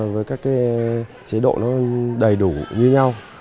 với các chế độ đầy đủ như nhau